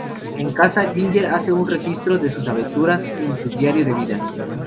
En casa, Ginger hace un registro de sus aventuras en su diario de vida.